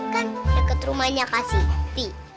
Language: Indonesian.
kan deket rumahnya kak siti